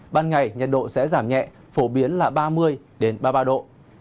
ban ngày nhiệt độ sẽ giảm nhẹ phổ biến là ba mươi ba mươi ba độ